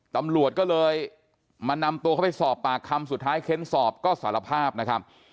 ตำรวจก็เลยมานำตัวเขาไปสอบปากคำสุดท้ายเค้นสอบก็สารภาพนะครับ